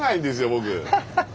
僕。